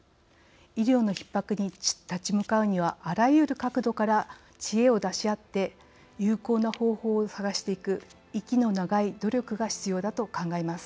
医療のひっ迫に立ち向かうにはあらゆる角度から知恵を出し合って有効な方法を探していく息の長い努力が必要だと考えます。